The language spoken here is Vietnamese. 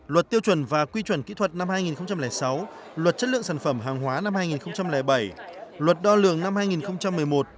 luật tiêu chuẩn và quy chuẩn kỹ thuật năm hai nghìn sáu luật chất lượng sản phẩm hàng hóa năm hai nghìn bảy luật đo lường năm hai nghìn một mươi một